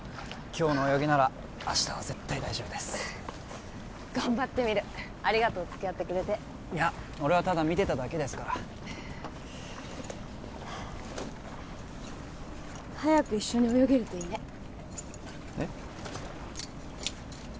今日の泳ぎなら明日は絶対大丈夫です頑張ってみるありがとうつきあってくれていや俺はただ見てただけですから早く一緒に泳げるといいねえっ？